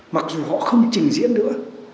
mặc dù họ không trình diễn nữa